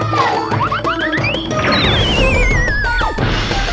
saya ingin selesaikan seri seri ini